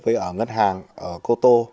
với ngân hàng cô tô